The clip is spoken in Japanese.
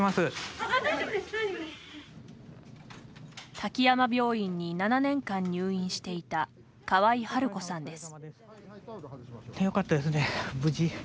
滝山病院に７年間入院していた河合治子さんです。